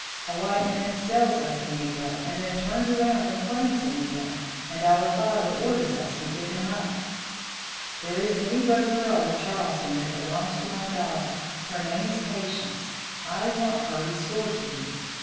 A white man sells us a negro and then turns around and claims him again, and our father orders us to give him up. There is a negro girl in Charleston that belongs to my daughter her name is Patience. I want her restored to me.